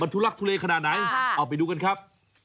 ทุลักทุเลขนาดไหนเอาไปดูกันครับ